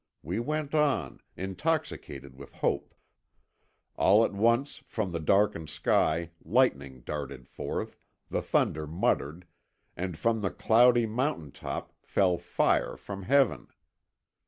We went on, intoxicated with hope; all at once from the darkened sky lightning darted forth, the thunder muttered, and from the cloudy mountain top fell fire from Heaven.